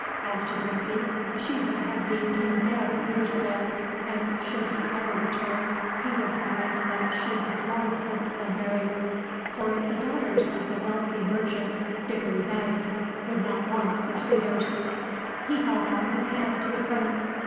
As to Dorothy, she would have deemed him dead years ago; and should he ever return, he would find that she had long since been married; for the daughters of the wealthy merchant, Diggory Beggs, would not want for suitors. He held out his hand to the prince.